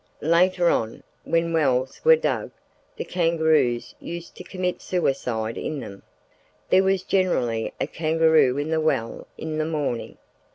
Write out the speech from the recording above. Later on, when wells were dug, the kangaroos used to commit suicide in them—there was generally a kangaroo in the well in the morning.